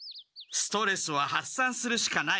ストレスは発散するしかない。